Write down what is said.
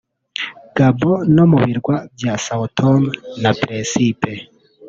Gabon no mu Birwa bya Sao Tome na Principe